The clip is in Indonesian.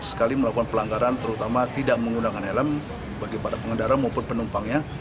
sekali melakukan pelanggaran terutama tidak menggunakan helm bagi para pengendara maupun penumpangnya